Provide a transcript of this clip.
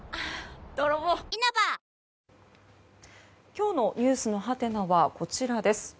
今日のｎｅｗｓのハテナはこちらです。